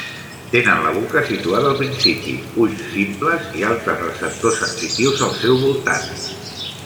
Tenen la boca situada al principi, ulls simples i altres receptors sensitius al seu voltant.